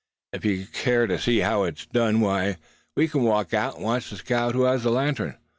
"If you'd care to see how it's done, why, we can walk out, and watch the scout who has the lantern?"